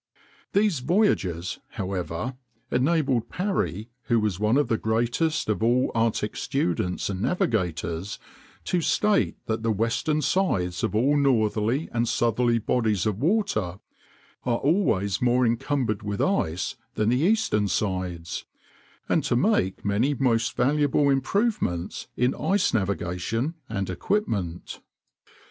These voyages, however, enabled Parry, who was one of the greatest of all Arctic students and navigators, to state that the western sides of all northerly and southerly bodies of water are always more encumbered with ice than the eastern sides; and to make many most valuable improvements in ice navigation and equipment.